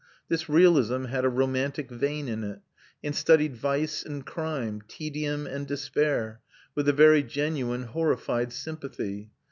This realism had a romantic vein in it, and studied vice and crime, tedium and despair, with a very genuine horrified sympathy.